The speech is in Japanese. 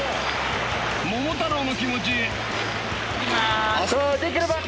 桃太郎の気持ち。